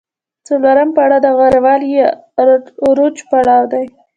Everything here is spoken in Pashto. څلورم پړاو د غوره والي یا عروج پړاو دی